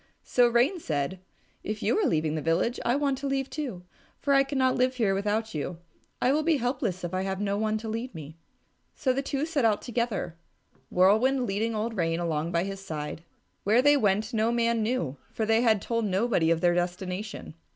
So Rain said, "If you are leaving the village, I want to leave it too, for I cannot live here without you. I will be helpless if I have no one to lead me." So the two set out together, Whirlwind leading old Rain along by his side. Where they went no man knew, for they had told nobody of their destination.